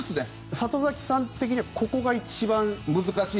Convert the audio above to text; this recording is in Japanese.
里崎さん的には打率が一番難しい？